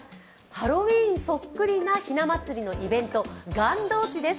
ハロウィーンそっくりな、ひな祭りのイベント、がんどうちです。